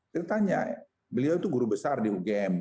kita tanya beliau itu guru besar di ugm